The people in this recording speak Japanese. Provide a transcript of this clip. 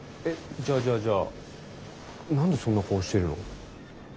えっじゃあじゃあじゃあ何でそんな顔してるの？